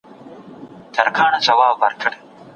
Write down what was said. انلاين بانکداري مالي تبادله آسانه کوي.